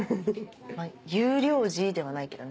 「優良児」ではないけどね